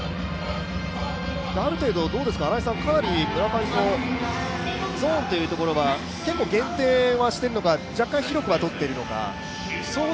村上のゾーンというところは結構、限定はしているのか、若干広くはとっているのか。